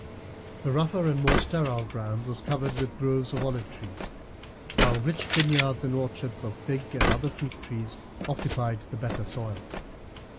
The rougher and more sterile ground was covered with groves of olive trees, while rich vineyards and orchards of fig and other fruit trees occupied the better soil.